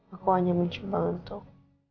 aku hanya mencoba untuk